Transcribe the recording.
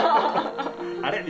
「あれ？」